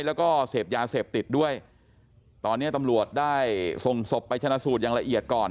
แล้วก็เสพยาเสพติดด้วยตอนนี้ตำรวจได้ส่งศพไปชนะสูตรอย่างละเอียดก่อน